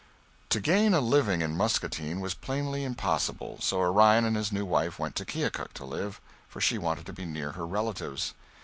To gain a living in Muscatine was plainly impossible, so Orion and his new wife went to Keokuk to live, for she wanted to be near her relatives.